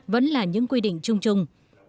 vẫn là những quy định chung chung